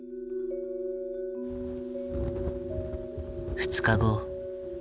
２日後。